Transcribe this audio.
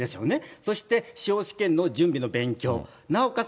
そして司法試験の準備の勉強、なおかつ